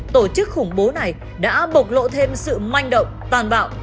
tổ chức khủng bố này đã bộc lộ thêm sự manh động toàn bạo